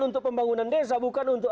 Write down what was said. untuk pembangunan desa bukan untuk